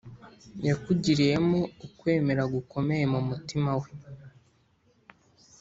yakugiriyemo ukwemera gukomeye mumutima wawe